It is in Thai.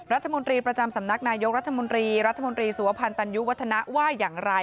รัฐมนตรีประจำสำนักนายกรัฐมนตรีรัฐมนตรีสุวพันธ์ตันยุวัฒนะว่าอย่างไร